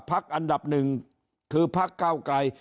อันดับหนึ่งคือพักเก้าไกร